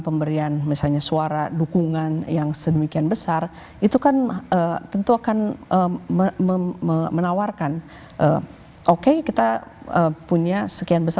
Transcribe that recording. pemberian misalnya suara dukungan yang sedemikian besar itu kan tentu akan menawarkan oke kita punya sekian besar